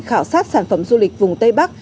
khảo sát sản phẩm du lịch vùng tây bắc